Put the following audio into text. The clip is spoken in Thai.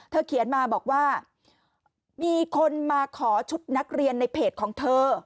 เขียนมาบอกว่ามีคนมาขอชุดนักเรียนในเพจของเธอ